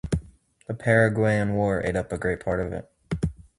The Paraguayan War ate up a great part of it.